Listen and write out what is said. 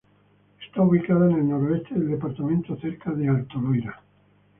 Está ubicada en el noroeste del departamento, cerca de Alto Loira.